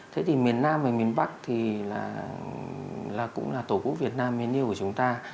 thế thì miền nam và miền bắc thì cũng là tổ quốc việt nam miền yêu của chúng ta